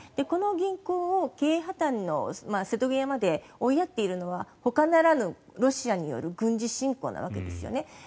この銀行を経営破たんの瀬戸際まで追いやっているのはほかならぬロシアによる軍事侵攻なわけですよね。